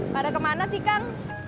pada kemana sih kang